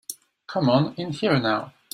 Come on in here now.